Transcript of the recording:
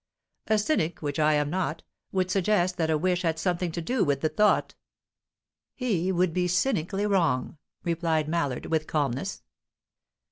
"A cynic which I am not would suggest that a wish had something to do with the thought." "He would be cynically wrong," replied Mallard, with calmness.